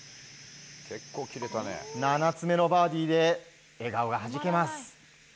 ７つ目のバーディーで笑顔がはじけます。